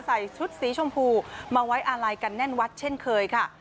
ใส่ชุดสีชมพูมาไว้อาลัยกันแน่นวัดเช่นเคยค่ะ